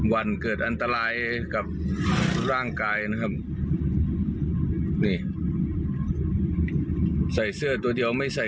วันเกิดอันตรายกับร่างกายนะครับนี่ใส่เสื้อตัวเดียวไม่ใส่